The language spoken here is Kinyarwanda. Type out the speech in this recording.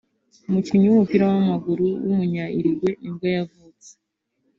umukinnyi w’umupira w’amaguru w’umunya-Uruguay nibwo yavutse